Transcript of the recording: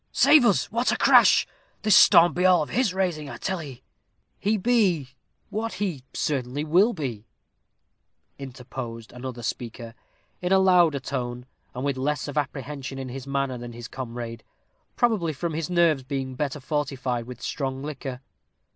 Save us! what a crash! this storm be all of his raising, I tell 'ee." "He be what he certainly will be," interposed another speaker, in a louder tone, and with less of apprehension in his manner than his comrade, probably from his nerves being better fortified with strong liquor.